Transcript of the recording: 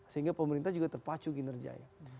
sehingga pemerintah juga terpacu kinerjanya